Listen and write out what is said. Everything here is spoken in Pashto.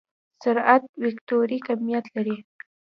سرعت وکتوري کميت دی.